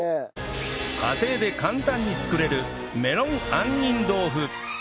家庭で簡単に作れるメロン杏仁豆腐